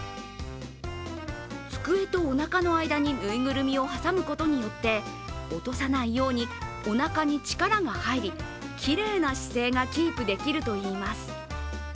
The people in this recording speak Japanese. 机とおなかの間に縫いぐるみを挟むことによって落とさないようにおなかに力が入りきれいな姿勢がキープできるといいます。